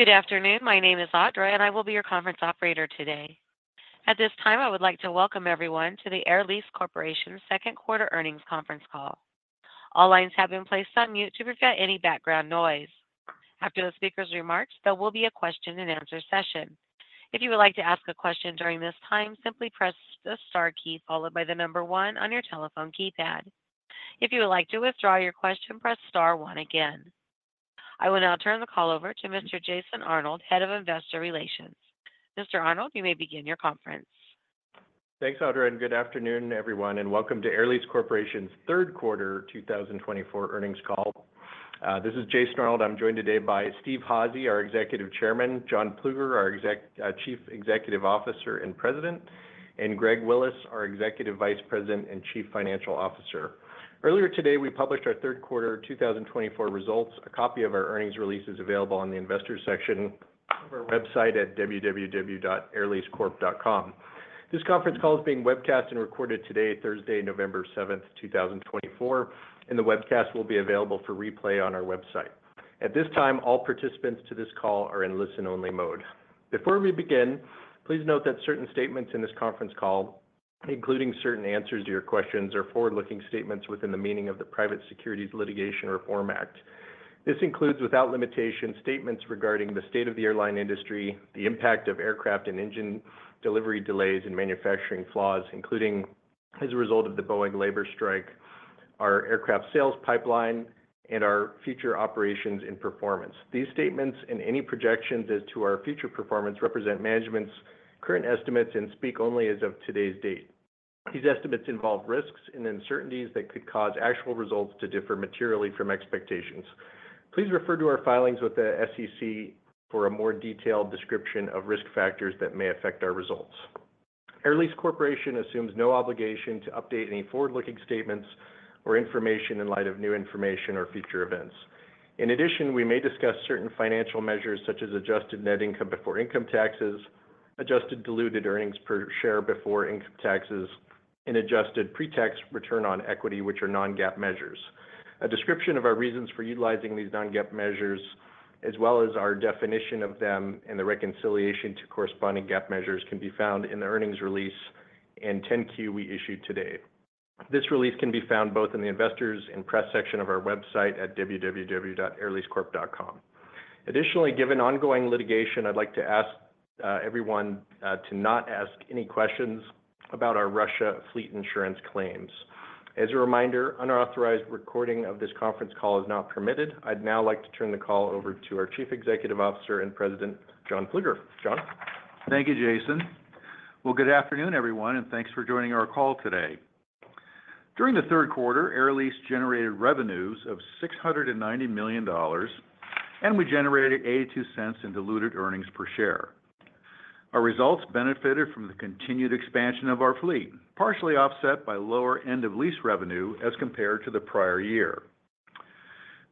Good afternoon. My name is Audra, and I will be your conference operator today. At this time, I would like to welcome everyone to the Air Lease Corporation's Q2 Earnings Conference Call. All lines have been placed on mute to prevent any background noise. After the speaker's remarks, there will be a question-and-answer session. If you would like to ask a question during this time, simply press the star key followed by the number one on your telephone keypad. If you would like to withdraw your question, press star one again. I will now turn the call over to Mr. Jason Arnold, head of investor relations. Mr. Arnold, you may begin your conference. Thanks, Audra, and good afternoon, everyone, and welcome to Air Lease Corporation's Q3 2024 Earnings Call. This is Jason Arnold. I'm joined today by Steve Hazy, our Executive Chairman, John Plueger, our Chief Executive Officer and President, and Greg Willis, our Executive Vice President and Chief Financial Officer. Earlier today, we published our Q3 2024 results. A copy of our earnings release is available on the investor section of our website at www.airleasecorp.com. This conference call is being webcast and recorded today, Thursday, November 7, 2024, and the webcast will be available for replay on our website. At this time, all participants to this call are in listen-only mode. Before we begin, please note that certain statements in this conference call, including certain answers to your questions, are forward-looking statements within the meaning of the Private Securities Litigation Reform Act. This includes, without limitation, statements regarding the state of the airline industry, the impact of aircraft and engine delivery delays and manufacturing flaws, including as a result of the Boeing labor strike, our aircraft sales pipeline, and our future operations and performance. These statements and any projections as to our future performance represent management's current estimates and speak only as of today's date. These estimates involve risks and uncertainties that could cause actual results to differ materially from expectations. Please refer to our filings with the SEC for a more detailed description of risk factors that may affect our results. Air Lease Corporation assumes no obligation to update any forward-looking statements or information in light of new information or future events. In addition, we may discuss certain financial measures such as adjusted net income before income taxes, adjusted diluted earnings per share before income taxes, and adjusted pretax return on equity, which are non-GAAP measures. A description of our reasons for utilizing these non-GAAP measures, as well as our definition of them and the reconciliation to corresponding GAAP measures, can be found in the earnings release and 10-Q we issued today. This release can be found both in the investors' and press section of our website at www.airleasecorp.com. Additionally, given ongoing litigation, I'd like to ask everyone to not ask any questions about our Russia fleet insurance claims. As a reminder, unauthorized recording of this conference call is not permitted. I'd now like to turn the call over to our Chief Executive Officer and President, John Plueger. John. Thank you, Jason. Good afternoon, everyone, and thanks for joining our call today. During the Q3, Air Lease generated revenues of $690 million, and we generated $0.82 in diluted earnings per share. Our results benefited from the continued expansion of our fleet, partially offset by lower end-of-lease revenue as compared to the prior year.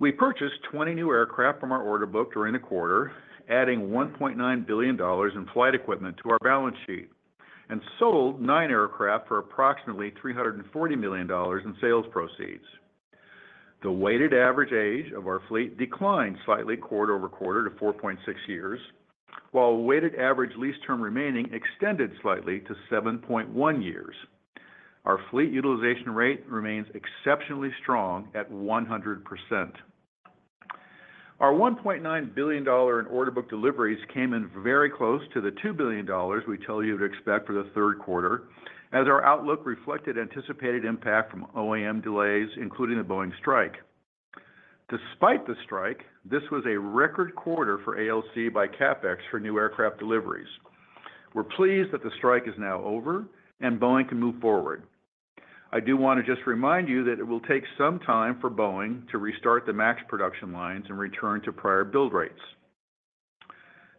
We purchased 20 new aircraft from our order book during the quarter, adding $1.9 billion in flight equipment to our balance sheet, and sold nine aircraft for approximately $340 million in sales proceeds. The weighted average age of our fleet declined slightly quarter-over-quarter to 4.6 years, while weighted average lease term remaining extended slightly to 7.1 years. Our fleet utilization rate remains exceptionally strong at 100%. Our $1.9 billion in order book deliveries came in very close to the $2 billion we tell you to expect for the Q3, as our outlook reflected anticipated impact from OEM delays, including the Boeing strike. Despite the strike, this was a record quarter for ALC in CapEx for new aircraft deliveries. We're pleased that the strike is now over and Boeing can move forward. I do want to just remind you that it will take some time for Boeing to restart the MAX production lines and return to prior build rates.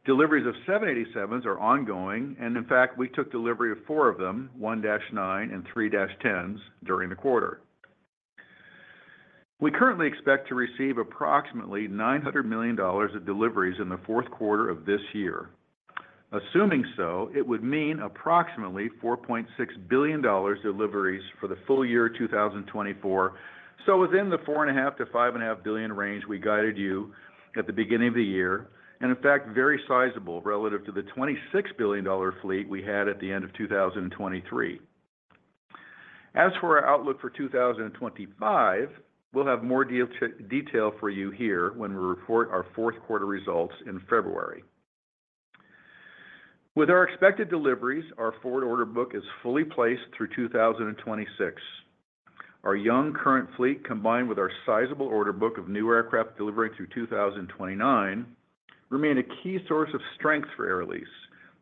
Deliveries of 787s are ongoing, and in fact, we took delivery of four of them, 787-9 and 787-10s, during the quarter. We currently expect to receive approximately $900 million of deliveries in the Q4 of this year. Assuming so, it would mean approximately $4.6 billion deliveries for the full year 2024. So within the $4.5-$5.5 billion range we guided you at the beginning of the year, and in fact, very sizable relative to the $26 billion fleet we had at the end of 2023. As for our outlook for 2025, we'll have more detail for you here when we report our Q4 results in February. With our expected deliveries, our forward order book is fully placed through 2026. Our young current fleet, combined with our sizable order book of new aircraft delivery through 2029, remain a key source of strength for Air Lease,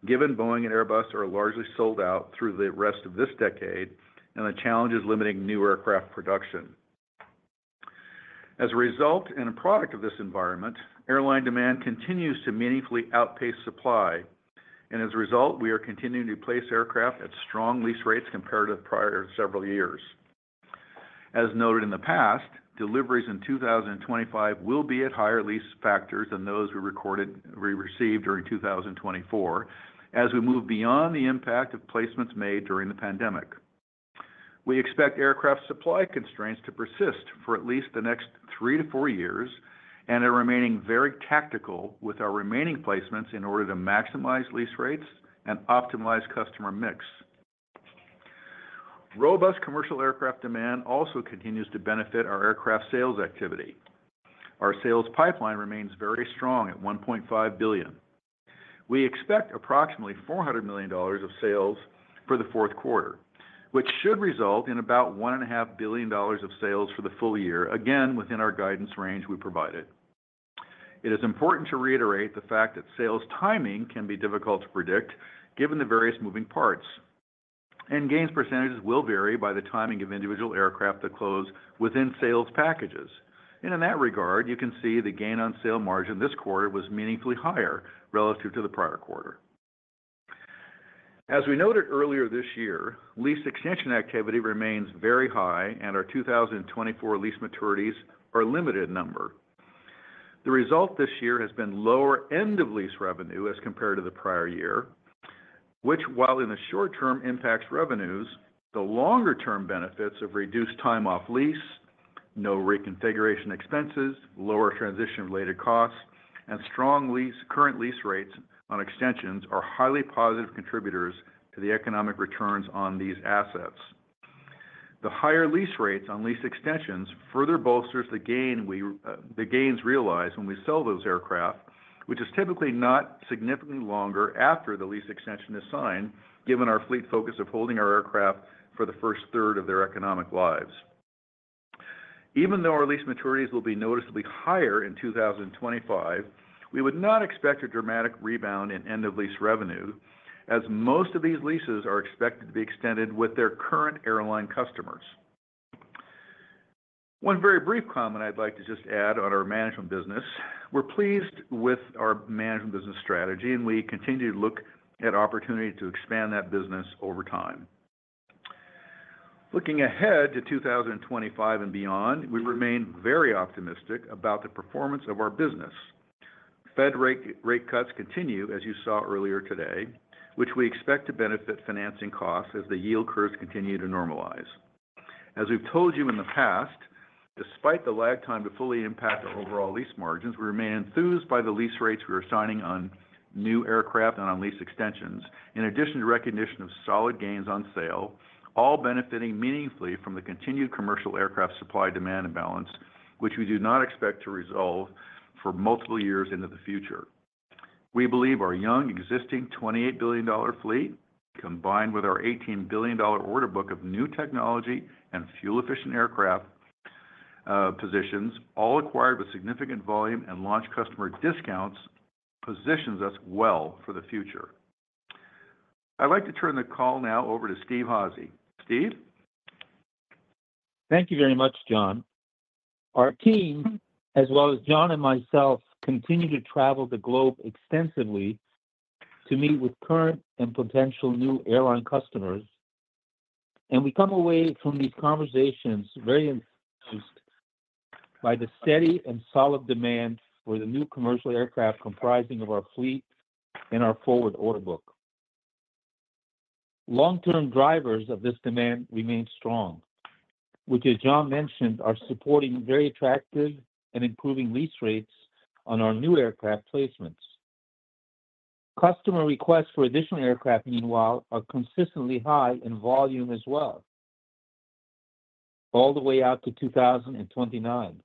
given Boeing and Airbus are largely sold out through the rest of this decade and the challenges limiting new aircraft production. As a result and a product of this environment, airline demand continues to meaningfully outpace supply, and as a result, we are continuing to place aircraft at strong lease rates compared to the prior several years. As noted in the past, deliveries in 2025 will be at higher lease factors than those we recorded we received during 2024, as we move beyond the impact of placements made during the pandemic. We expect aircraft supply constraints to persist for at least the next three to four years and are remaining very tactical with our remaining placements in order to maximize lease rates and optimize customer mix. Robust commercial aircraft demand also continues to benefit our aircraft sales activity. Our sales pipeline remains very strong at $1.5 billion. We expect approximately $400 million of sales for the Q4, which should result in about $1.5 billion of sales for the full year, again within our guidance range we provided. It is important to reiterate the fact that sales timing can be difficult to predict given the various moving parts, and gains percentages will vary by the timing of individual aircraft that close within sales packages, and in that regard, you can see the gain on sale margin this quarter was meaningfully higher relative to the prior quarter. As we noted earlier this year, lease extension activity remains very high, and our 2024 lease maturities are a limited number. The result this year has been lower end-of-lease revenue as compared to the prior year, which, while in the short term impacts revenues, the longer term benefits of reduced time off lease, no reconfiguration expenses, lower transition-related costs, and strong current lease rates on extensions are highly positive contributors to the economic returns on these assets. The higher lease rates on lease extensions further bolsters the gains realized when we sell those aircraft, which is typically not significantly longer after the lease extension is signed, given our fleet focus of holding our aircraft for the first third of their economic lives. Even though our lease maturities will be noticeably higher in 2025, we would not expect a dramatic rebound in end-of-lease revenue, as most of these leases are expected to be extended with their current airline customers. One very brief comment I'd like to just add on our management business: we're pleased with our management business strategy, and we continue to look at opportunity to expand that business over time. Looking ahead to 2025 and beyond, we remain very optimistic about the performance of our business. Fed rate cuts continue, as you saw earlier today, which we expect to benefit financing costs as the yield curves continue to normalize. As we've told you in the past, despite the lag time to fully impact our overall lease margins, we remain enthused by the lease rates we are signing on new aircraft and on lease extensions, in addition to recognition of solid gains on sale, all benefiting meaningfully from the continued commercial aircraft supply demand imbalance, which we do not expect to resolve for multiple years into the future. We believe our young existing $28 billion fleet, combined with our $18 billion order book of new technology and fuel-efficient aircraft, all acquired with significant volume and launch customer discounts, positions us well for the future. I'd like to turn the call now over to Steve Hazy. Steve? Thank you very much, John. Our team, as well as John and myself, continue to travel the globe extensively to meet with current and potential new airline customers, and we come away from these conversations very enthused by the steady and solid demand for the new commercial aircraft comprising of our fleet and our forward order book. Long-term drivers of this demand remain strong, which, as John mentioned, are supporting very attractive and improving lease rates on our new aircraft placements. Customer requests for additional aircraft, meanwhile, are consistently high in volume as well, all the way out to 2029.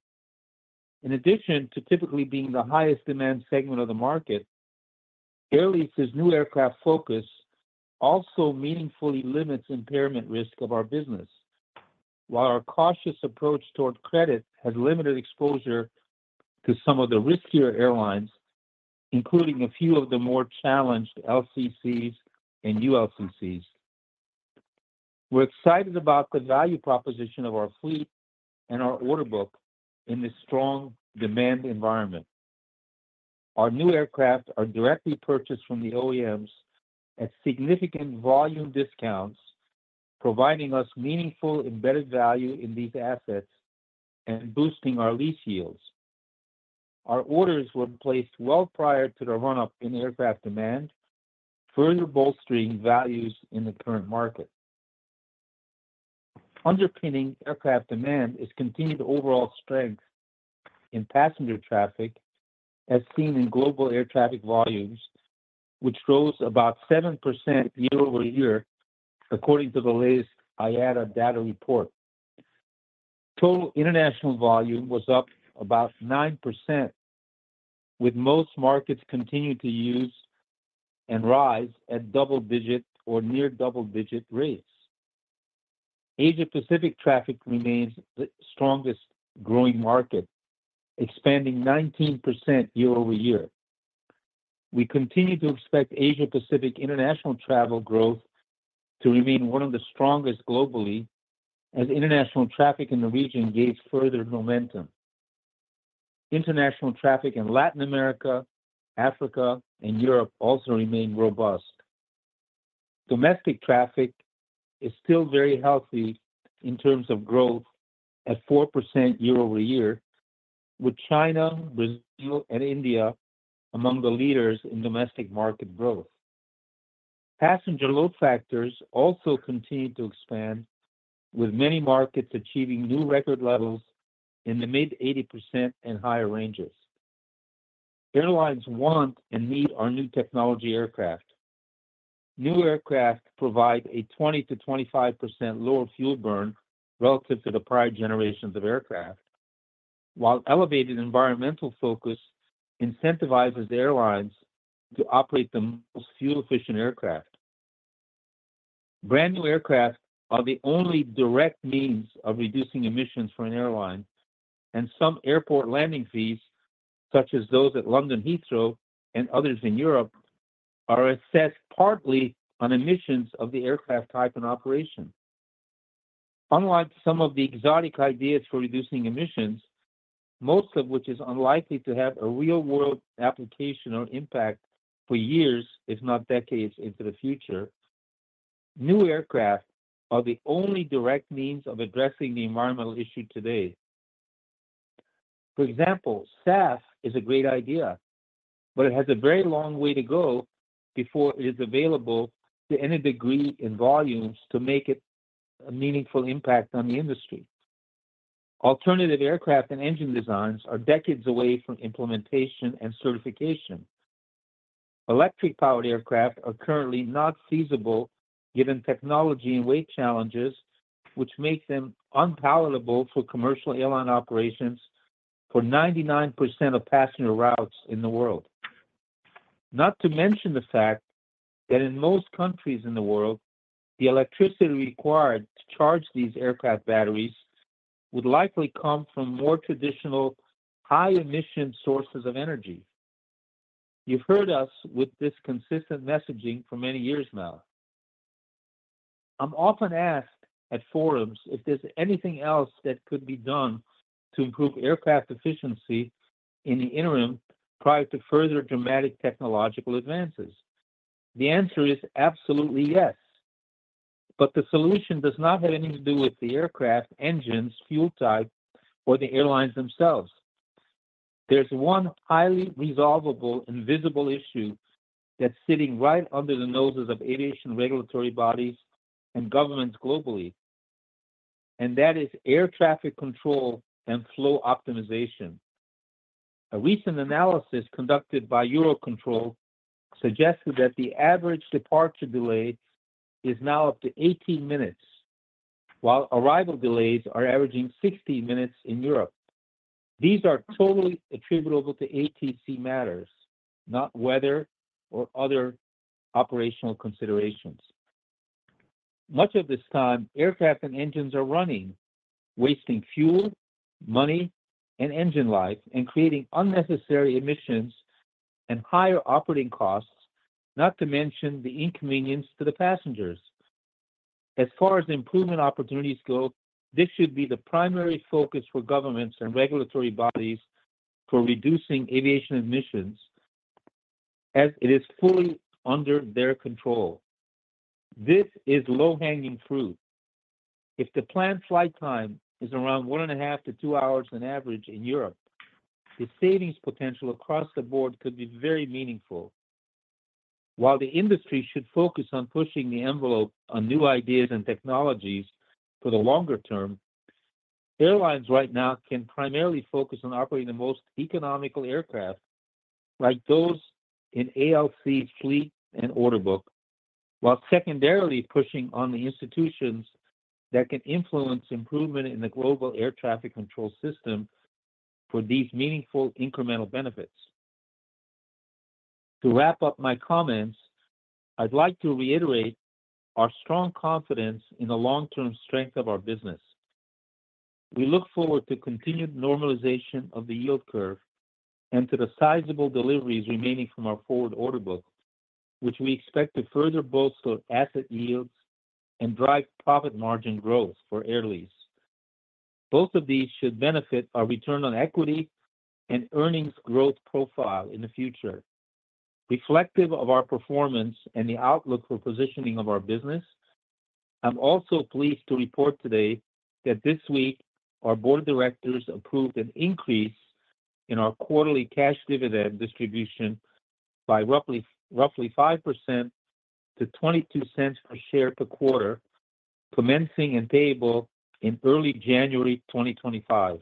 In addition to typically being the highest demand segment of the market, Air Lease's new aircraft focus also meaningfully limits impairment risk of our business, while our cautious approach toward credit has limited exposure to some of the riskier airlines, including a few of the more challenged LCCs and ULCCs. We're excited about the value proposition of our fleet and our order book in this strong demand environment. Our new aircraft are directly purchased from the OEMs at significant volume discounts, providing us meaningful embedded value in these assets and boosting our lease yields. Our orders were placed well prior to the run-up in aircraft demand, further bolstering values in the current market. Underpinning aircraft demand is continued overall strength in passenger traffic, as seen in global air traffic volumes, which grows about 7% year over year, according to the latest IATA data report. Total international volume was up about 9%, with most markets continuing to use and rise at double-digit or near double-digit rates. Asia-Pacific traffic remains the strongest growing market, expanding 19% year over year. We continue to expect Asia-Pacific international travel growth to remain one of the strongest globally, as international traffic in the region gains further momentum. International traffic in Latin America, Africa, and Europe also remains robust. Domestic traffic is still very healthy in terms of growth at 4% year over year, with China, Brazil, and India among the leaders in domestic market growth. Passenger load factors also continue to expand, with many markets achieving new record levels in the mid-80% and higher ranges. Airlines want and need our new technology aircraft. New aircraft provide a 20%-25% lower fuel burn relative to the prior generations of aircraft, while elevated environmental focus incentivizes airlines to operate the most fuel-efficient aircraft. Brand new aircraft are the only direct means of reducing emissions for an airline, and some airport landing fees, such as those at London Heathrow and others in Europe, are assessed partly on emissions of the aircraft type and operation. Unlike some of the exotic ideas for reducing emissions, most of which is unlikely to have a real-world application or impact for years, if not decades, into the future, new aircraft are the only direct means of addressing the environmental issue today. For example, SAF is a great idea, but it has a very long way to go before it is available to any degree in volumes to make a meaningful impact on the industry. Alternative aircraft and engine designs are decades away from implementation and certification. Electric-powered aircraft are currently not feasible, given technology and weight challenges, which make them unpalatable for commercial airline operations for 99% of passenger routes in the world. Not to mention the fact that in most countries in the world, the electricity required to charge these aircraft batteries would likely come from more traditional high-emission sources of energy. You've heard us with this consistent messaging for many years now. I'm often asked at forums if there's anything else that could be done to improve aircraft efficiency in the interim prior to further dramatic technological advances. The answer is absolutely yes, but the solution does not have anything to do with the aircraft engines, fuel type, or the airlines themselves. There's one highly resolvable and visible issue that's sitting right under the noses of aviation regulatory bodies and governments globally, and that is air traffic control and flow optimization. A recent analysis conducted by Eurocontrol suggested that the average departure delay is now up to 18 minutes, while arrival delays are averaging 60 minutes in Europe. These are totally attributable to ATC matters, not weather or other operational considerations. Much of this time, aircraft and engines are running, wasting fuel, money, and engine life, and creating unnecessary emissions and higher operating costs, not to mention the inconvenience to the passengers. As far as improvement opportunities go, this should be the primary focus for governments and regulatory bodies for reducing aviation emissions, as it is fully under their control. This is low-hanging fruit. If the planned flight time is around one and a half to two hours on average in Europe, the savings potential across the board could be very meaningful. While the industry should focus on pushing the envelope on new ideas and technologies for the longer term, airlines right now can primarily focus on operating the most economical aircraft, like those in ALC's fleet and order book, while secondarily pushing on the institutions that can influence improvement in the global air traffic control system for these meaningful incremental benefits. To wrap up my comments, I'd like to reiterate our strong confidence in the long-term strength of our business. We look forward to continued normalization of the yield curve and to the sizable deliveries remaining from our forward order book, which we expect to further bolster asset yields and drive profit margin growth for Air Lease. Both of these should benefit our return on equity and earnings growth profile in the future. Reflective of our performance and the outlook for positioning of our business, I'm also pleased to report today that this week our board of directors approved an increase in our quarterly cash dividend distribution by roughly 5% to $0.22 per share per quarter, commencing and payable in early January 2025.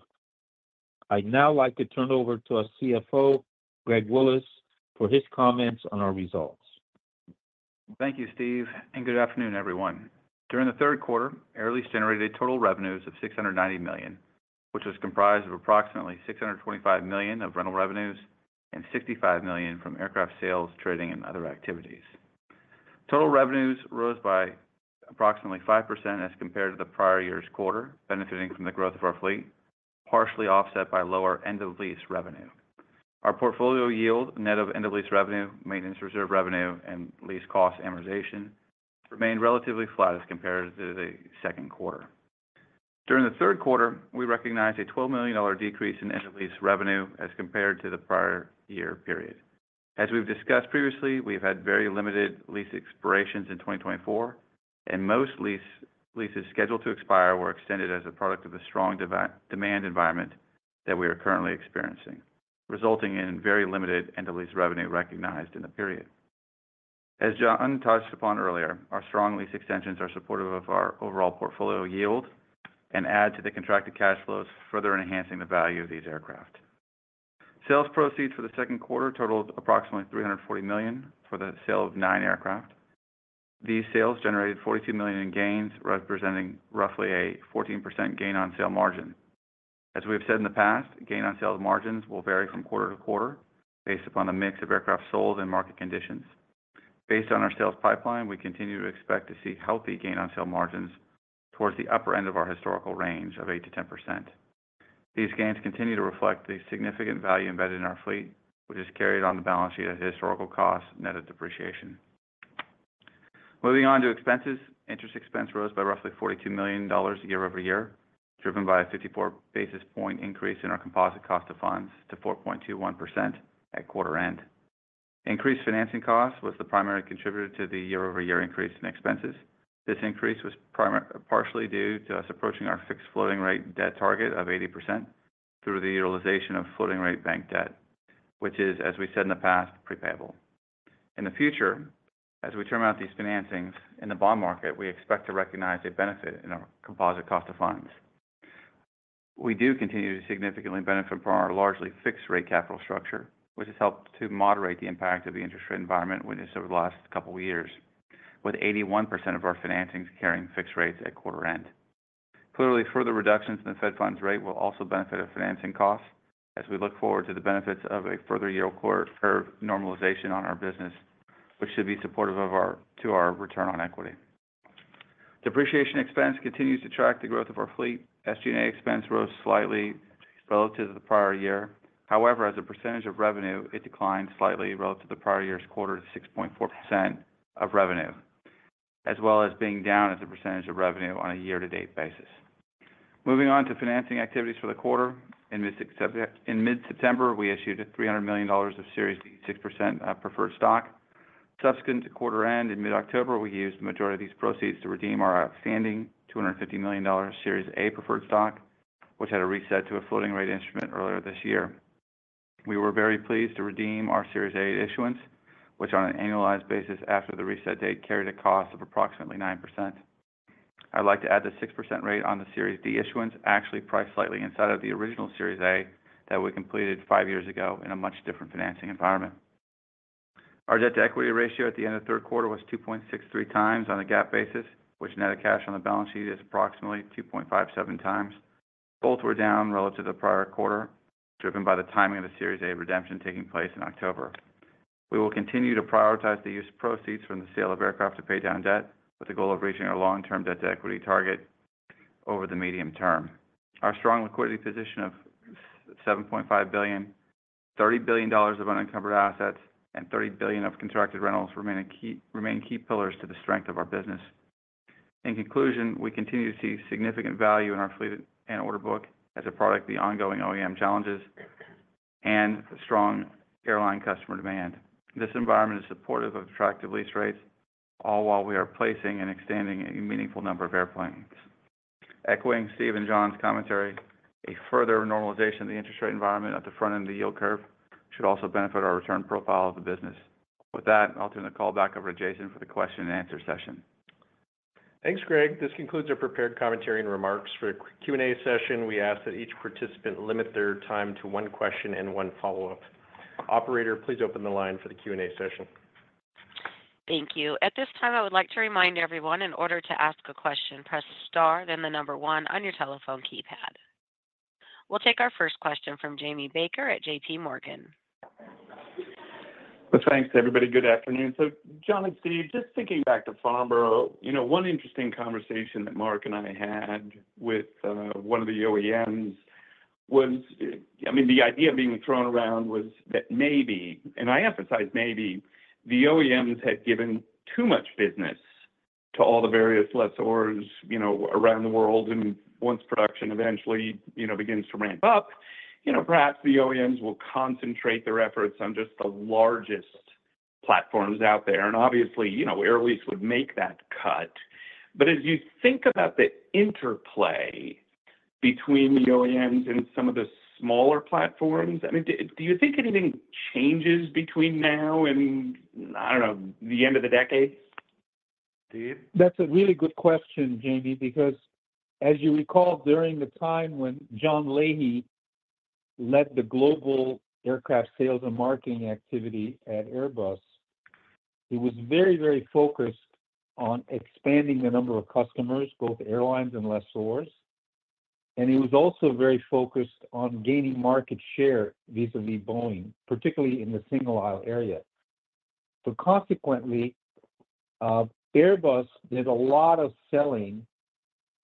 I'd now like to turn over to our CFO, Greg Willis, for his comments on our results. Thank you, Steve, and good afternoon, everyone. During the Q3, Air Lease generated total revenues of $690 million, which was comprised of approximately $625 million of rental revenues and $65 million from aircraft sales, trading, and other activities. Total revenues rose by approximately 5% as compared to the prior year's quarter, benefiting from the growth of our fleet, partially offset by lower end-of-lease revenue. Our portfolio yield, net of end-of-lease revenue, maintenance reserve revenue, and lease cost amortization remained relatively flat as compared to the Q2. During the Q3, we recognized a $12 million decrease in end-of-lease revenue as compared to the prior year period. As we've discussed previously, we've had very limited lease expirations in 2024, and most leases scheduled to expire were extended as a product of the strong demand environment that we are currently experiencing, resulting in very limited end-of-lease revenue recognized in the period. As John touched upon earlier, our strong lease extensions are supportive of our overall portfolio yield and add to the contracted cash flows, further enhancing the value of these aircraft. Sales proceeds for the Q2 totaled approximately $340 million for the sale of nine aircraft. These sales generated $42 million in gains, representing roughly a 14% gain on sale margin. As we have said in the past, gain on sales margins will vary from quarter-to-quarter based upon the mix of aircraft sold and market conditions. Based on our sales pipeline, we continue to expect to see healthy gain on sale margins towards the upper end of our historical range of 8%-10%. These gains continue to reflect the significant value embedded in our fleet, which is carried on the balance sheet at historical costs net of depreciation. Moving on to expenses, interest expense rose by roughly $42 million year over year, driven by a 54 basis points increase in our composite cost of funds to 4.21% at quarter end. Increased financing costs was the primary contributor to the year-over-year increase in expenses. This increase was partially due to us approaching our fixed floating rate debt target of 80% through the utilization of floating rate bank debt, which is, as we said in the past, prepayable. In the future, as we turn out these financings in the bond market, we expect to recognize a benefit in our composite cost of funds. We do continue to significantly benefit from our largely fixed rate capital structure, which has helped to moderate the impact of the interest rate environment witnessed over the last couple of years, with 81% of our financings carrying fixed rates at quarter end. Clearly, further reductions in the Fed funds rate will also benefit our financing costs as we look forward to the benefits of a further year-over-year normalization on our business, which should be supportive to our return on equity. Depreciation expense continues to track the growth of our fleet. SG&A expense rose slightly relative to the prior year. However, as a percentage of revenue, it declined slightly relative to the prior year's quarter to 6.4% of revenue, as well as being down as a percentage of revenue on a year-to-date basis. Moving on to financing activities for the quarter, in mid-September, we issued $300 million of Series D 6% preferred stock. Subsequent to quarter end, in mid-October, we used the majority of these proceeds to redeem our outstanding $250 million Series A preferred stock, which had a reset to a floating rate instrument earlier this year. We were very pleased to redeem our Series A issuance, which, on an annualized basis after the reset date, carried a cost of approximately 9%. I'd like to add the 6% rate on the Series D issuance, actually priced slightly inside of the original Series A that we completed five years ago in a much different financing environment. Our debt-to-equity ratio at the end of the Q3 was 2.63 times on a GAAP basis, which net of cash on the balance sheet is approximately 2.57 times. Both were down relative to the prior quarter, driven by the timing of the Series A redemption taking place in October. We will continue to prioritize the use of proceeds from the sale of aircraft to pay down debt with the goal of reaching our long-term debt-to-equity target over the medium term. Our strong liquidity position of $7.5 billion, $30 billion of unencumbered assets, and $30 billion of contracted rentals remain key pillars to the strength of our business. In conclusion, we continue to see significant value in our fleet and order book as a product of the ongoing OEM challenges and strong airline customer demand. This environment is supportive of attractive lease rates, all while we are placing and extending a meaningful number of airplanes. Echoing Steve and John's commentary, a further normalization of the interest rate environment at the front end of the yield curve should also benefit our return profile of the business. With that, I'll turn the call back over to Jason for the question-and-answer session. Thanks, Greg. This concludes our prepared commentary and remarks. For the Q&A session, we ask that each participant limit their time to one question and one follow-up. Operator, please open the line for the Q&A session. Thank you. At this time, I would like to remind everyone in order to ask a question, press star, then the number one on your telephone keypad. We'll take our first question from Jamie Baker at J.P. Morgan. Thanks, everybody. Good afternoon. John and Steve, just thinking back to Farnborough, one interesting conversation that Mark and I had with one of the OEMs was, I mean, the idea being thrown around was that maybe, and I emphasize maybe, the OEMs had given too much business to all the various lessors around the world. Once production eventually begins to ramp up, perhaps the OEMs will concentrate their efforts on just the largest platforms out there. Obviously, Air Lease would make that cut. As you think about the interplay between the OEMs and some of the smaller platforms, I mean, do you think anything changes between now and, I don't know, the end of the decade? That's a really good question, Jamie, because as you recall, during the time when John Leahy led the global aircraft sales and marketing activity at Airbus, he was very, very focused on expanding the number of customers, both airlines and lessors, and he was also very focused on gaining market share vis-à-vis Boeing, particularly in the single-aisle area, but consequently, Airbus did a lot of selling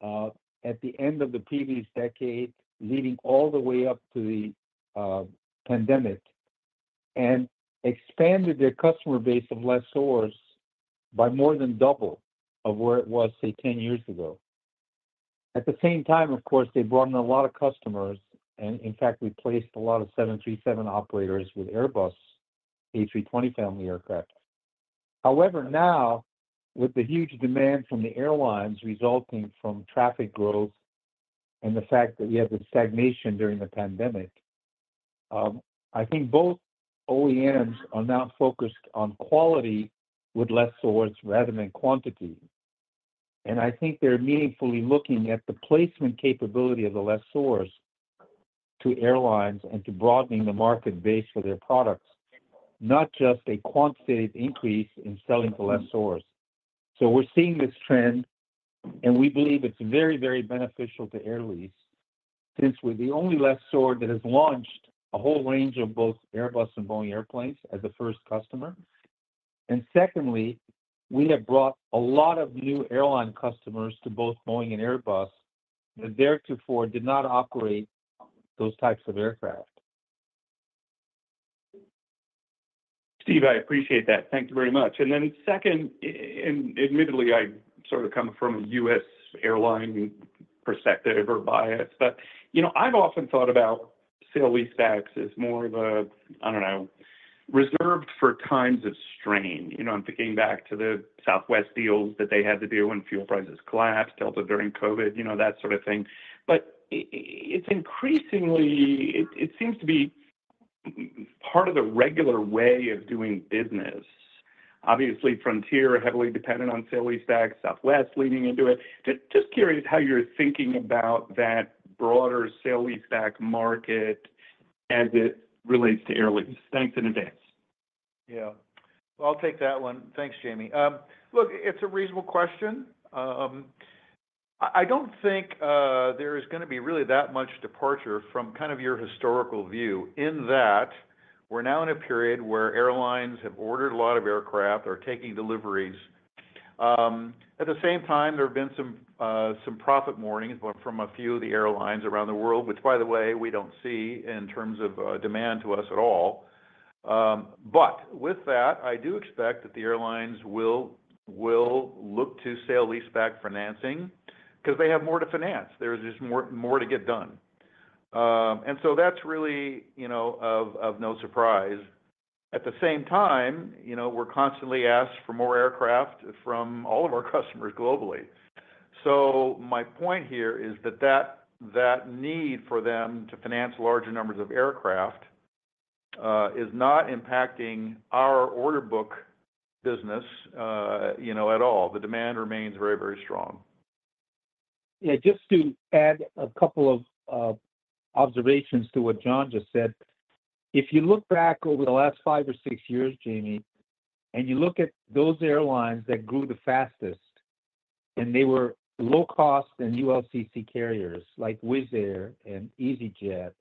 at the end of the previous decade, leading all the way up to the pandemic, and expanded their customer base of lessors by more than double of where it was, say, 10 years ago. At the same time, of course, they brought in a lot of customers, and in fact, we placed a lot of 737 operators with Airbus, A320 family aircraft. However, now, with the huge demand from the airlines resulting from traffic growth and the fact that we had the stagnation during the pandemic, I think both OEMs are now focused on quality with lessors rather than quantity. And I think they're meaningfully looking at the placement capability of the lessors to airlines and to broadening the market base for their products, not just a quantitative increase in selling to lessors. So we're seeing this trend, and we believe it's very, very beneficial to Air Lease since we're the only lessor that has launched a whole range of both Airbus and Boeing airplanes as the first customer. And secondly, we have brought a lot of new airline customers to both Boeing and Airbus that therefore did not operate those types of aircraft. Steve, I appreciate that. Thank you very much. Then second, and admittedly, I sort of come from a U.S. airline perspective or bias, but I've often thought about sale-leaseback as more of a, I don't know, reserved for times of strain. I'm thinking back to the Southwest deals that they had to do when fuel prices collapsed, helped during COVID, that sort of thing. But it seems to be part of the regular way of doing business. Obviously, Frontier heavily dependent on sale-leaseback, Southwest leaning into it. Just curious how you're thinking about that broader sale-leaseback market as it relates to Air Lease. Thanks in advance. Yeah. Well, I'll take that one. Thanks, Jamie. Look, it's a reasonable question. I don't think there is going to be really that much departure from kind of your historical view in that we're now in a period where airlines have ordered a lot of aircraft, are taking deliveries. At the same time, there have been some profit warnings from a few of the airlines around the world, which, by the way, we don't see in terms of demand to us at all. But with that, I do expect that the airlines will look to sale-leaseback financing because they have more to finance. There is just more to get done. And so that's really of no surprise. At the same time, we're constantly asked for more aircraft from all of our customers globally. So my point here is that the need for them to finance larger numbers of aircraft is not impacting our order book business at all. The demand remains very, very strong. Yeah. Just to add a couple of observations to what John just said, if you look back over the last five or six years, Jamie, and you look at those airlines that grew the fastest, and they were low-cost and ULCC carriers like Wizz Air and easyJet,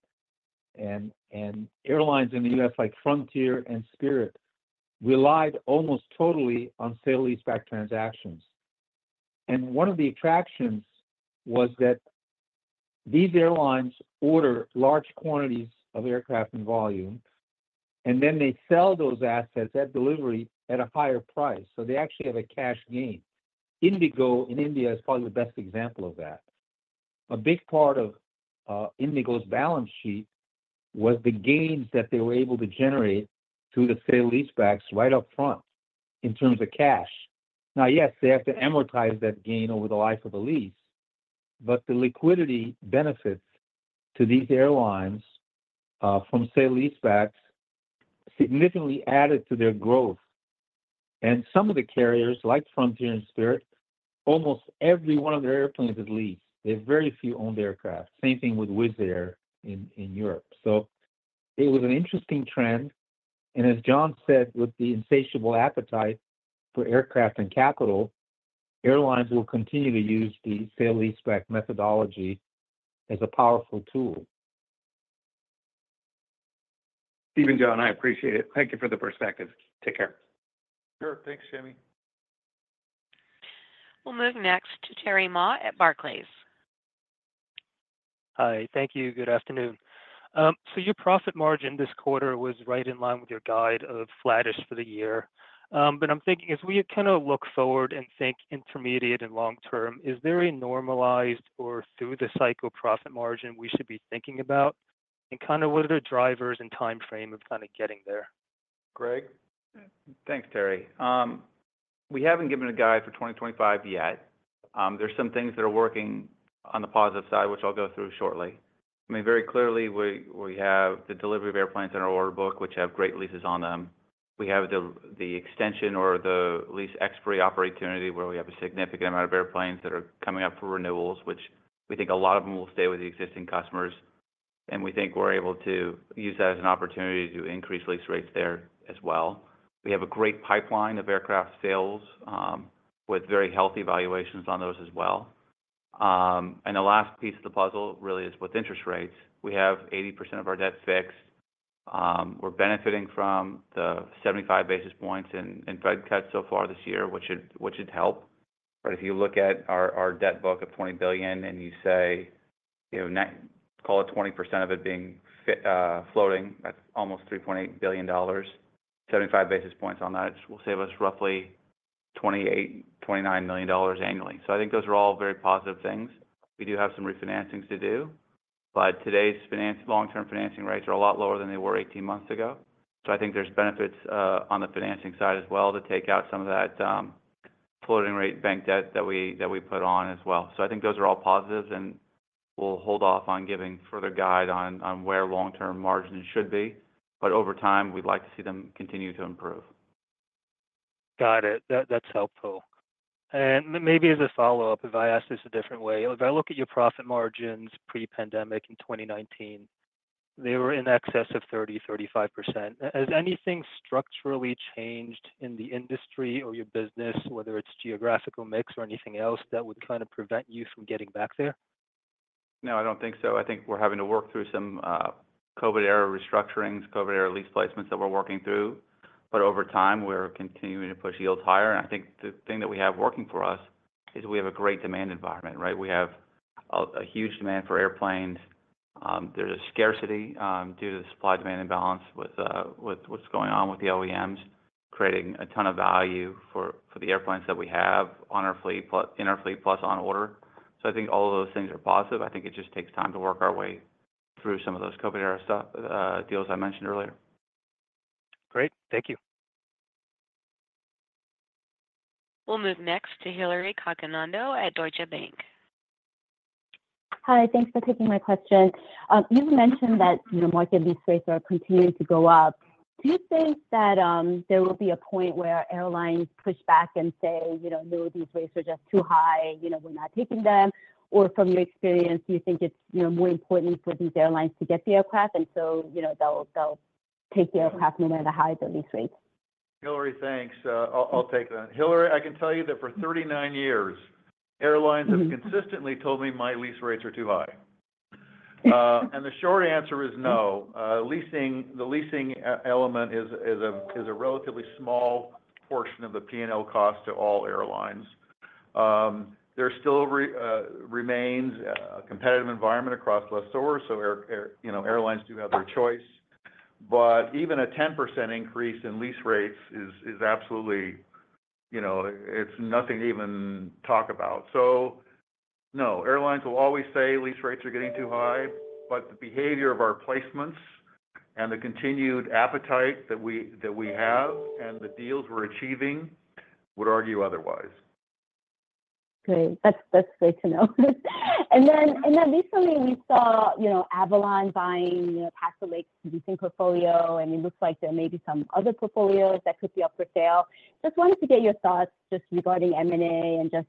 and airlines in the U.S. like Frontier and Spirit relied almost totally on sale-leaseback transactions. And one of the attractions was that these airlines order large quantities of aircraft in volume, and then they sell those assets at delivery at a higher price. So they actually have a cash gain. IndiGo in India is probably the best example of that. A big part of IndiGo's balance sheet was the gains that they were able to generate through the sale-leasebacks right up front in terms of cash. Now, yes, they have to amortize that gain over the life of the lease, but the liquidity benefits to these airlines from sale-leasebacks significantly added to their growth. And some of the carriers, like Frontier and Spirit, almost every one of their airplanes is leased. There's very few owned aircraft. Same thing with Wizz Air in Europe. So it was an interesting trend. And as John said, with the insatiable appetite for aircraft and capital, airlines will continue to use the sale-leaseback methodology as a powerful tool. Steven, John, I appreciate it. Thank you for the perspective. Take care. Sure. Thanks, Jamie. We'll move next to Terry Ma at Barclays. Hi. Thank you. Good afternoon. So your profit margin this quarter was right in line with your guide of flattish for the year. But I'm thinking, as we kind of look forward and think intermediate and long-term, is there a normalized or through-the-cycle profit margin we should be thinking about? And kind of what are the drivers and timeframe of kind of getting there? Greg? Thanks, Terry. We haven't given a guide for 2025 yet. There's some things that are working on the positive side, which I'll go through shortly. I mean, very clearly, we have the delivery of airplanes in our order book, which have great leases on them. We have the extension or the lease expiry opportunity where we have a significant amount of airplanes that are coming up for renewals, which we think a lot of them will stay with the existing customers. And we think we're able to use that as an opportunity to increase lease rates there as well. We have a great pipeline of aircraft sales with very healthy valuations on those as well. And the last piece of the puzzle really is with interest rates. We have 80% of our debt fixed. We're benefiting from the 75 basis points in Fed cuts so far this year, which should help. But if you look at our debt book of $20 billion and you say, call it 20% of it being floating, that's almost $3.8 billion, 75 basis points on that, which will save us roughly $28-$29 million annually. So I think those are all very positive things. We do have some refinancings to do, but today's long-term financing rates are a lot lower than they were 18 months ago. So I think there's benefits on the financing side as well to take out some of that floating rate bank debt that we put on as well. So I think those are all positives, and we'll hold off on giving further guide on where long-term margins should be. But over time, we'd like to see them continue to improve. Got it. That's helpful. And maybe as a follow-up, if I ask this a different way, if I look at your profit margins pre-pandemic in 2019, they were in excess of 30%-35%. Has anything structurally changed in the industry or your business, whether it's geographical mix or anything else, that would kind of prevent you from getting back there? No, I don't think so. I think we're having to work through some COVID-era restructurings, COVID-era lease placements that we're working through, but over time, we're continuing to push yields higher, and I think the thing that we have working for us is we have a great demand environment, right? We have a huge demand for airplanes. There's a scarcity due to the supply-demand imbalance with what's going on with the OEMs creating a ton of value for the airplanes that we have on our fleet, in our fleet, plus on order, so I think all of those things are positive. I think it just takes time to work our way through some of those COVID-era deals I mentioned earlier. Great. Thank you. We'll move next to Hillary Cacanando at Deutsche Bank. Hi. Thanks for taking my question. You mentioned that market lease rates are continuing to go up. Do you think that there will be a point where airlines push back and say, "No, these rates are just too high. We're not taking them"? Or from your experience, do you think it's more important for these airlines to get the aircraft and so they'll take the aircraft no matter how high the lease rate? Hillary, thanks. I'll take that. Hillary, I can tell you that for 39 years, airlines have consistently told me my lease rates are too high, and the short answer is no. The leasing element is a relatively small portion of the P&L cost to all airlines. There still remains a competitive environment across lessors, so airlines do have their choice, but even a 10% increase in lease rates is absolutely nothing even talk about, so no, airlines will always say lease rates are getting too high, but the behavior of our placements and the continued appetite that we have and the deals we're achieving would argue otherwise. Great. That's great to know. And then recently, we saw Avolon buying Castlelake's leasing portfolio, and it looks like there may be some other portfolios that could be up for sale. Just wanted to get your thoughts just regarding M&A and just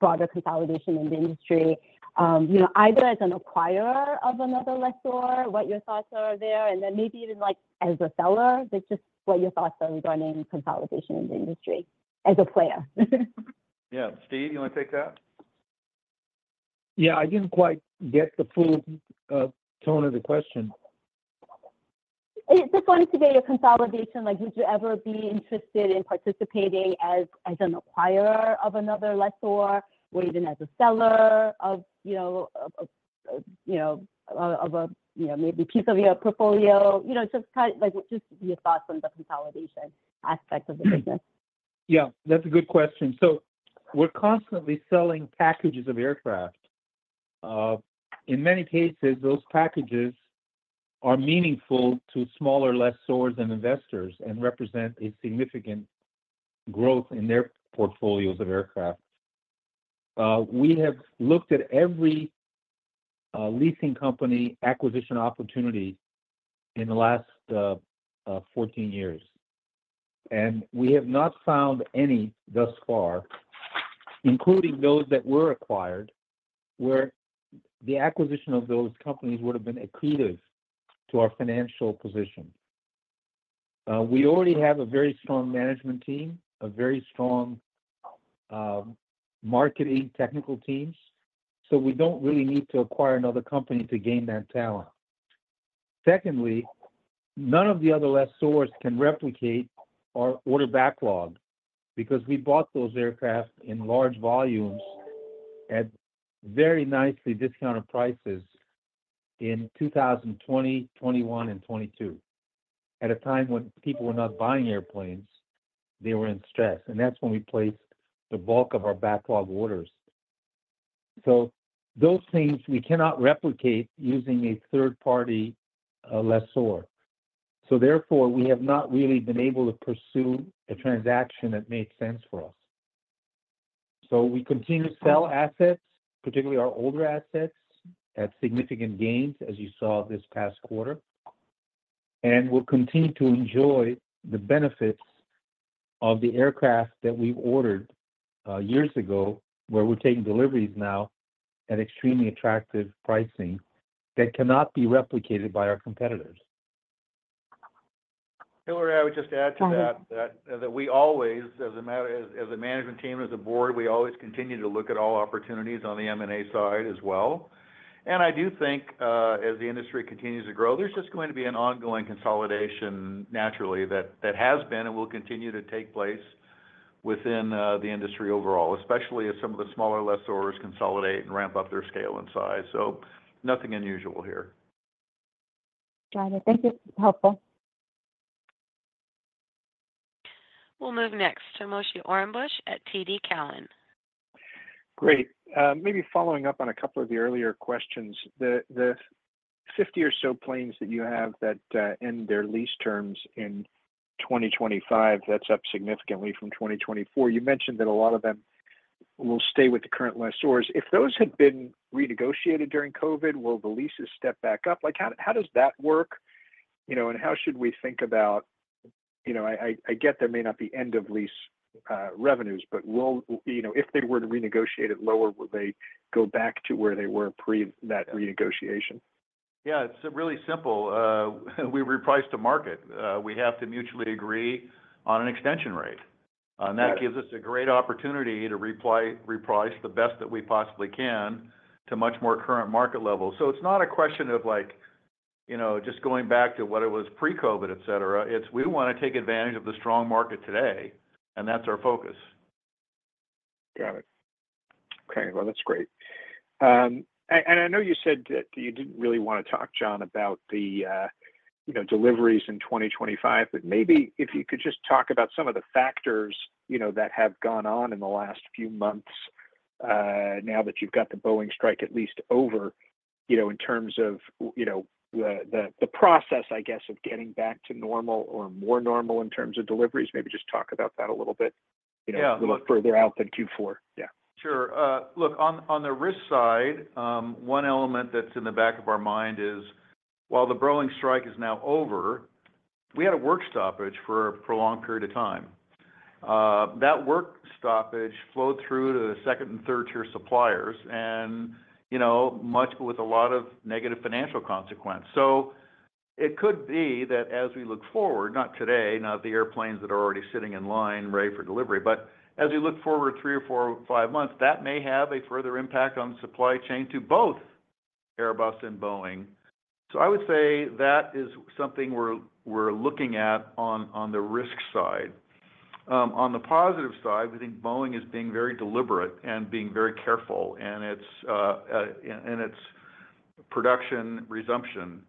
broader consolidation in the industry, either as an acquirer of another lessor, what your thoughts are there, and then maybe even as a seller, just what your thoughts are regarding consolidation in the industry as a player. Yeah. Steve, you want to take that? Yeah. I didn't quite get the full tone of the question. Just wanted to get your thoughts on consolidation. Would you ever be interested in participating as an acquirer of another lessor or even as a seller of maybe a piece of your portfolio? Just your thoughts on the consolidation aspect of the business. Yeah. That's a good question. So we're constantly selling packages of aircraft. In many cases, those packages are meaningful to smaller lessors and investors and represent a significant growth in their portfolios of aircraft. We have looked at every leasing company acquisition opportunity in the last 14 years, and we have not found any thus far, including those that were acquired, where the acquisition of those companies would have been accretive to our financial position. We already have a very strong management team, a very strong marketing technical team, so we don't really need to acquire another company to gain that talent. Secondly, none of the other lessors can replicate our order backlog because we bought those aircraft in large volumes at very nicely discounted prices in 2020, 2021, and 2022 at a time when people were not buying airplanes. They were in stress. And that's when we placed the bulk of our backlog orders, so those things we cannot replicate using a third-party lessor, so therefore, we have not really been able to pursue a transaction that made sense for us, so we continue to sell assets, particularly our older assets at significant gains, as you saw this past quarter, and we'll continue to enjoy the benefits of the aircraft that we ordered years ago, where we're taking deliveries now at extremely attractive pricing that cannot be replicated by our competitors. Hillary, I would just add to that that we always, as a management team, as a board, we always continue to look at all opportunities on the M&A side as well. And I do think as the industry continues to grow, there's just going to be an ongoing consolidation naturally that has been and will continue to take place within the industry overall, especially as some of the smaller, lessors consolidate and ramp up their scale and size. So nothing unusual here. Got it. Thank you. Helpful. We'll move next to Moshe Orenbuch at TD Cowen. Great. Maybe following up on a couple of the earlier questions, the 50 or so planes that you have that end their lease terms in 2025, that's up significantly from 2024. You mentioned that a lot of them will stay with the current lessees. If those had been renegotiated during COVID, will the leases step back up? How does that work? And how should we think about? I get, there may not be end-of-lease revenues, but if they were to renegotiate it lower, will they go back to where they were pre that renegotiation? Yeah. It's really simple. We reprice to market. We have to mutually agree on an extension rate. And that gives us a great opportunity to reprice the best that we possibly can to much more current market levels. So it's not a question of just going back to what it was pre-COVID, etc. It's we want to take advantage of the strong market today, and that's our focus. Got it. Okay. Well, that's great. And I know you said that you didn't really want to talk, John, about the deliveries in 2025, but maybe if you could just talk about some of the factors that have gone on in the last few months now that you've got the Boeing strike at least over in terms of the process, I guess, of getting back to normal or more normal in terms of deliveries. Maybe just talk about that a little bit. A little further out than Q4. Yeah. Sure. Look, on the risk side, one element that's in the back of our mind is while the Boeing strike is now over, we had a work stoppage for a prolonged period of time. That work stoppage flowed through to the second and third-tier suppliers and with a lot of negative financial consequence. So it could be that as we look forward, not today, not the airplanes that are already sitting in line ready for delivery, but as we look forward three or four or five months, that may have a further impact on the supply chain to both Airbus and Boeing. So I would say that is something we're looking at on the risk side. On the positive side, we think Boeing is being very deliberate and being very careful in its production resumption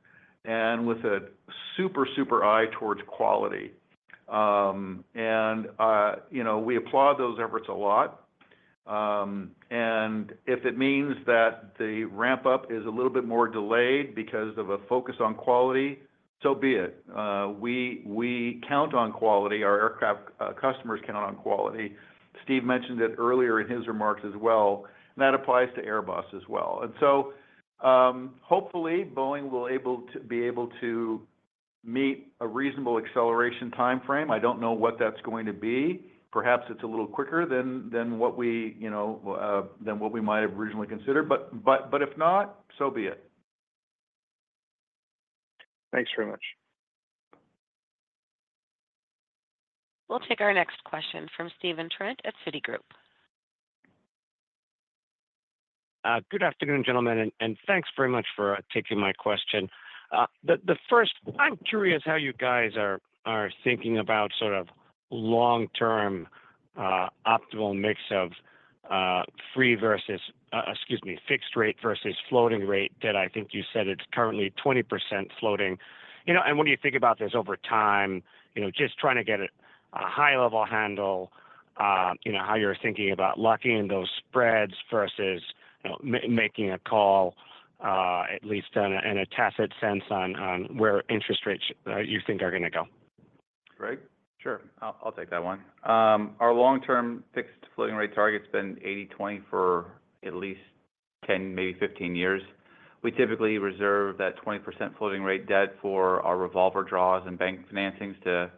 and with a super, super eye towards quality. And we applaud those efforts a lot. And if it means that the ramp-up is a little bit more delayed because of a focus on quality, so be it. We count on quality. Our aircraft customers count on quality. Steve mentioned it earlier in his remarks as well. And that applies to Airbus as well. And so hopefully, Boeing will be able to meet a reasonable acceleration timeframe. I don't know what that's going to be. Perhaps it's a little quicker than what we might have originally considered. But if not, so be it. Thanks very much. We'll take our next question from Stephen Trent at Citigroup. Good afternoon, gentlemen, and thanks very much for taking my question. The first, I'm curious how you guys are thinking about sort of long-term optimal mix of free versus, excuse me, fixed rate versus floating rate that I think you said it's currently 20% floating. And what do you think about this over time, just trying to get a high-level handle, how you're thinking about locking in those spreads versus making a call, at least in a tacit sense, on where interest rates you think are going to go? Greg? Sure. I'll take that one. Our long-term fixed floating rate target's been 80/20 for at least 10, maybe 15 years. We typically reserve that 20% floating rate debt for our revolver draws and bank financings to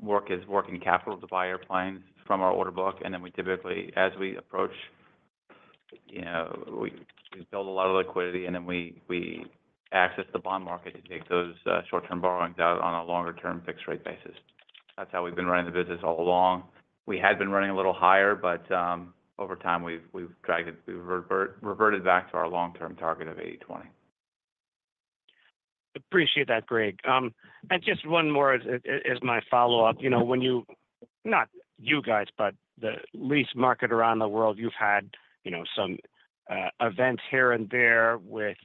work as working capital to buy airplanes from our order book. And then we typically, as we approach, we build a lot of liquidity, and then we access the bond market to take those short-term borrowings out on a longer-term fixed-rate basis. That's how we've been running the business all along. We had been running a little higher, but over time, we've reverted back to our long-term target of 80/20. Appreciate that, Greg. And just one more as my follow-up. Not you guys, but the lease market around the world, you've had some events here and there with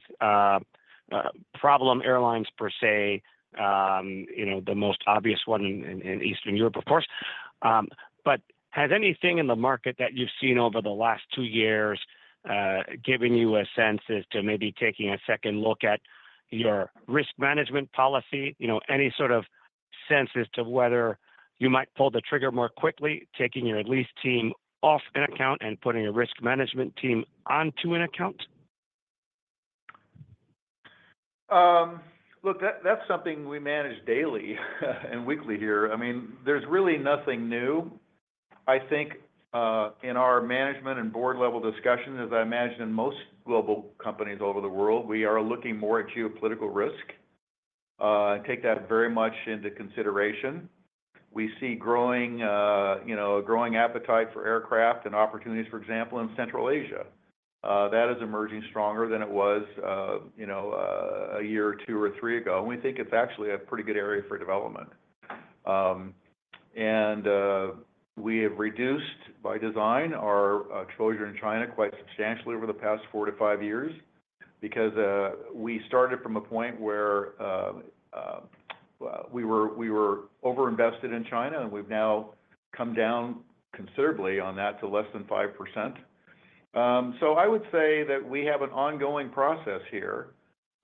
problem airlines per se, the most obvious one in Eastern Europe, of course. But has anything in the market that you've seen over the last two years given you a sense as to maybe taking a second look at your risk management policy, any sort of sense as to whether you might pull the trigger more quickly, taking your lease team off an account and putting a risk management team onto an account? Look, that's something we manage daily and weekly here. I mean, there's really nothing new. I think in our management and board-level discussions, as I imagine in most global companies over the world, we are looking more at geopolitical risk and take that very much into consideration. We see a growing appetite for aircraft and opportunities, for example, in Central Asia. That is emerging stronger than it was a year or two or three ago. And we think it's actually a pretty good area for development. And we have reduced by design our exposure in China quite substantially over the past four to five years because we started from a point where we were over-invested in China, and we've now come down considerably on that to less than 5%. So I would say that we have an ongoing process here.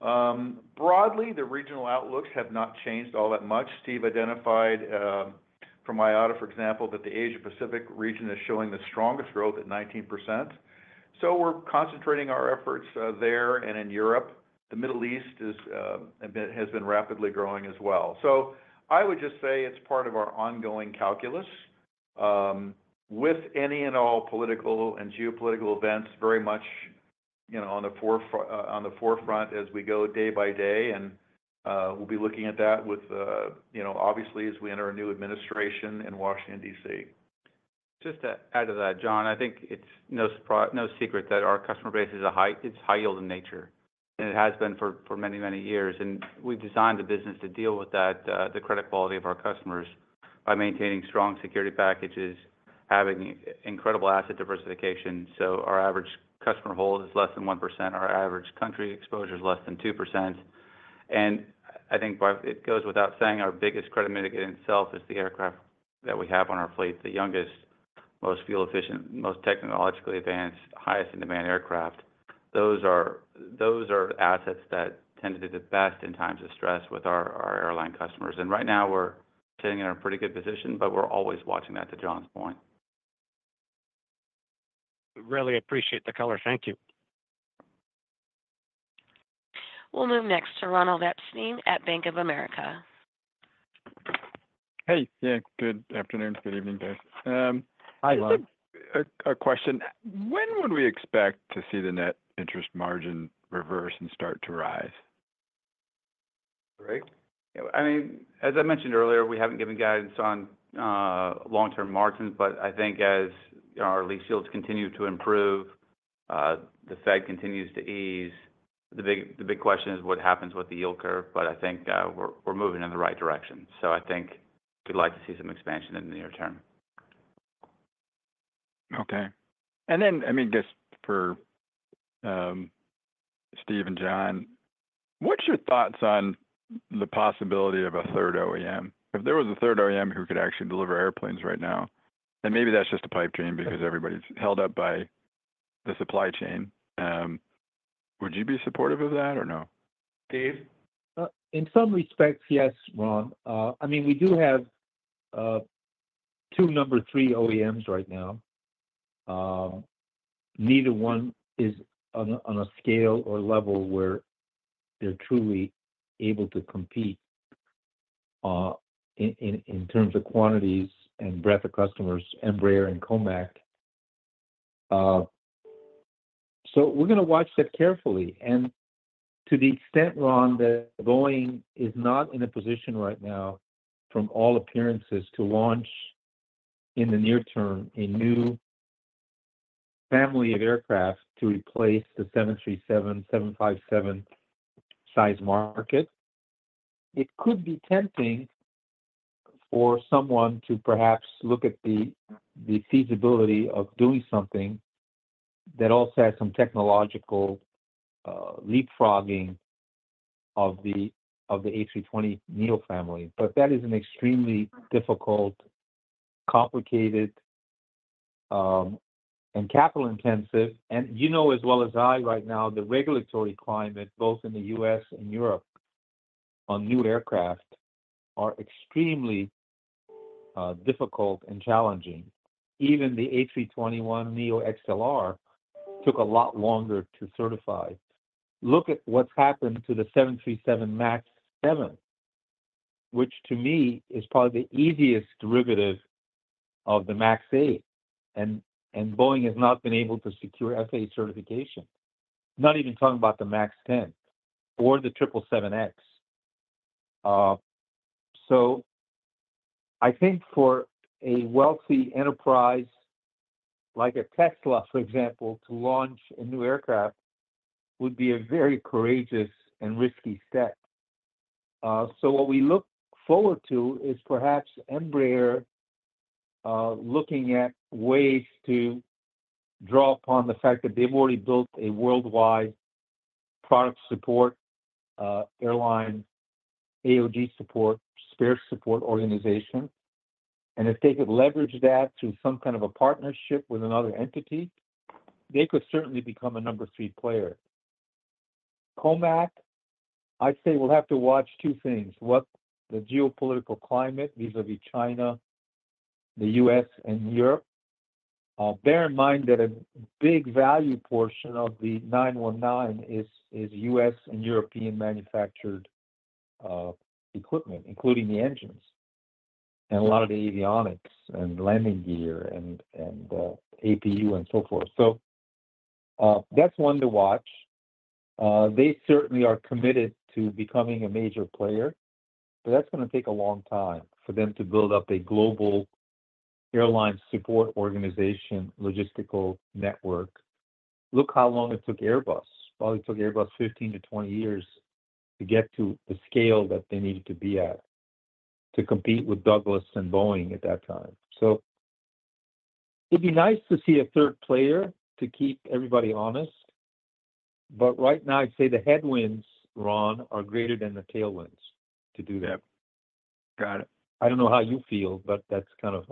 Broadly, the regional outlooks have not changed all that much. Steve identified from IATA, for example, that the Asia-Pacific region is showing the strongest growth at 19%. We're concentrating our efforts there. In Europe, the Middle East has been rapidly growing as well. I would just say it's part of our ongoing calculus with any and all political and geopolitical events very much on the forefront as we go day by day. We'll be looking at that, obviously, as we enter a new administration in Washington, D.C. Just to add to that, John, I think it's no secret that our customer base is high-yield in nature, and it has been for many, many years. And we've designed the business to deal with that, the credit quality of our customers, by maintaining strong security packages, having incredible asset diversification. So our average customer hold is less than 1%. Our average country exposure is less than 2%. And I think it goes without saying, our biggest credit mitigator in itself is the aircraft that we have on our fleet, the youngest, most fuel-efficient, most technologically advanced, highest-in-demand aircraft. Those are assets that tend to do the best in times of stress with our airline customers. And right now, we're sitting in a pretty good position, but we're always watching that, to John's point. Really appreciate the color. Thank you. We'll move next to Ronald Epstein at Bank of America. Hey. Yeah. Good afternoon. Good evening, guys. Hi, Ronald. A question. When would we expect to see the net interest margin reverse and start to rise? Greg? I mean, as I mentioned earlier, we haven't given guidance on long-term margins, but I think as our lease yields continue to improve, the Fed continues to ease, the big question is what happens with the yield curve. But I think we're moving in the right direction. So I think we'd like to see some expansion in the near term. Okay. And then, I mean, just for Steve and John, what's your thoughts on the possibility of a third OEM? If there was a third OEM who could actually deliver airplanes right now, and maybe that's just a pipe dream because everybody's held up by the supply chain, would you be supportive of that or no? Dave? In some respects, yes, Ron. I mean, we do have two number three OEMs right now. Neither one is on a scale or level where they're truly able to compete in terms of quantities and breadth of customers, Embraer and COMAC. So we're going to watch that carefully. And to the extent, Ron, that Boeing is not in a position right now, from all appearances, to launch in the near term a new family of aircraft to replace the 737, 757-sized market, it could be tempting for someone to perhaps look at the feasibility of doing something that also has some technological leapfrogging of the A320neo family. But that is an extremely difficult, complicated, and capital-intensive. And you know as well as I right now, the regulatory climate, both in the U.S. and Europe on new aircraft, are extremely difficult and challenging. Even the A321neo XLR took a lot longer to certify. Look at what's happened to the 737 MAX 7, which to me is probably the easiest derivative of the MAX 8. And Boeing has not been able to secure FAA certification, not even talking about the MAX 10 or the 777X. So I think for a wealthy enterprise like a Tesla, for example, to launch a new aircraft would be a very courageous and risky step. So what we look forward to is perhaps Embraer looking at ways to draw upon the fact that they've already built a worldwide product support, airline AOG support, spare support organization. And if they could leverage that through some kind of a partnership with another entity, they could certainly become a number three player. COMAC, I'd say we'll have to watch two things: the geopolitical climate vis-à-vis China, the US, and Europe. Bear in mind that a big value portion of the C919 is US and European-manufactured equipment, including the engines and a lot of the avionics and landing gear and APU and so forth. So that's one to watch. They certainly are committed to becoming a major player, but that's going to take a long time for them to build up a global airline support organization logistical network. Look how long it took Airbus. Probably took Airbus 15-20 years to get to the scale that they needed to be at to compete with Douglas and Boeing at that time. So it'd be nice to see a third player to keep everybody honest. But right now, I'd say the headwinds, Ron, are greater than the tailwinds to do that. Got it. I don't know how you feel, but that kind of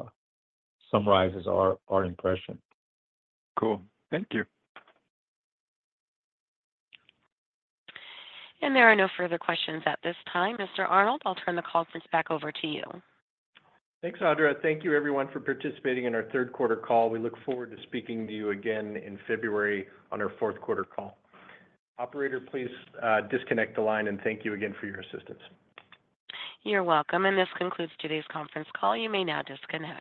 summarizes our impression. Cool. Thank you. There are no further questions at this time. Mr. Arnold, I'll turn the conference back over to you. Thanks, Audra. Thank you, everyone, for participating in our Q3 call. We look forward to speaking to you again in February on our fourth-quarter call. Operator, please disconnect the line, and thank you again for your assistance. You're welcome. And this concludes today's conference call. You may now disconnect.